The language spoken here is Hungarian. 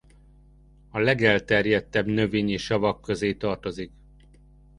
A legelterjedtebb növényi savak közé tartozik.